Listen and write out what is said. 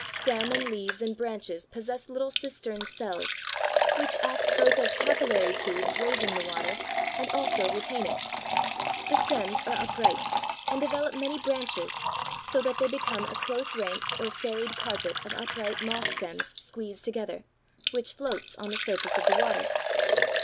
Stem and leaves and branches possess little cistern cells, which act both as capillary tubes raising the water and also retain it. The stems are upright and develop many branches, so that they become a close ranked or serried carpet of upright moss stems squeezed together, which floats on the surface of the water.